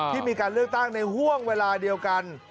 ที่มีการเลือกตั้งในห่วงเวลาเดียวกัน